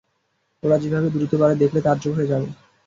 ওরা যেভাবে দ্রুত বাড়ে দেখলে তাজ্জব হয়ে যাবে!